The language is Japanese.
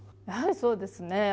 やはりそうですね。